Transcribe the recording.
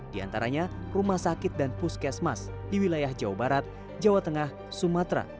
di antaranya rumah sakit dan puskesmas di wilayah jawa barat jawa tengah sumatera